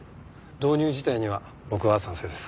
導入自体には僕は賛成です。